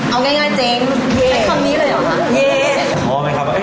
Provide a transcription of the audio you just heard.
เอาง่ายเจ๊เย้ฮือหรือว่าเย้